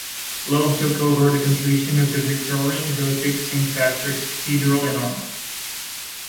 Logue took over the completion of the Victorian gothic Saint Patrick's Cathedral in Armagh.